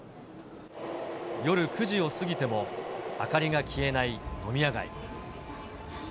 夜９時を過ぎても、明かりが消えない飲み屋街。